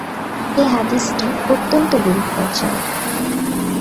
এ হাদীসটি অত্যন্ত গরীব পর্যায়ের।